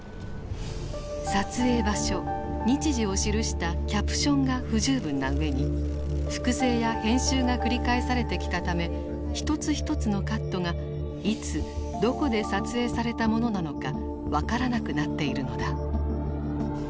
撮影場所日時を記したキャプションが不十分な上に複製や編集が繰り返されてきたため一つ一つのカットがいつどこで撮影されたものなのか分からなくなっているのだ。